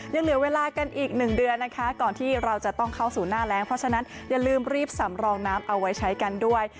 ยังเหลือเวลากันอีกหนึ่งเดือนนะคะก่อนที่เราจะต้องเข้าสู่หน้าแรงเพราะฉะนั้นอย่าลืมรีบสำรองน้ำเอาไว้ใช้กันด้วย